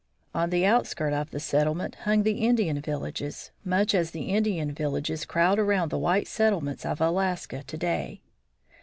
On the outskirts of the settlement hung the Indian villages, much as the Indian villages crowd around the white settlements of Alaska to day.